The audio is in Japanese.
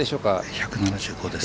１７５です。